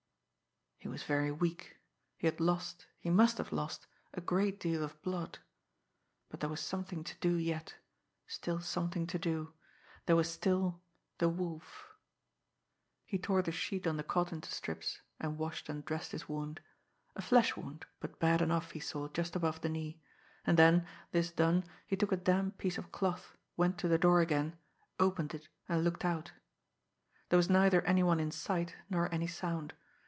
He was very weak; he had lost, he must have lost, a great deal of blood but there was something to do yet still something to do. There was still the Wolf! He tore the sheet on the cot into strips, and washed and dressed his wound a flesh wound, but bad enough, he saw, just above the knee. And then, this done, he took a damp piece of cloth, went to the door again, opened it, and looked out. There was neither any one in sight, nor any sound.